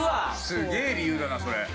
すげえ理由だなそれ。